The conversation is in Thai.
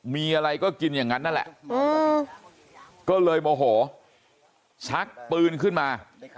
มีอะไรก็กินอย่างนั้นนั่นแหละก็เลยโมโหชักปืนขึ้นมา